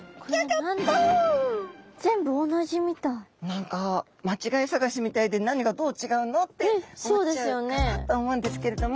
何か間違い探しみたいで何がどう違うの？って思っちゃうかなと思うんですけれども。